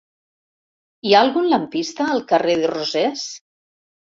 Hi ha algun lampista al carrer de Rosés?